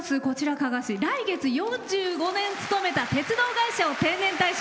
加賀市、来月４５年勤めた鉄道会社を定年退職。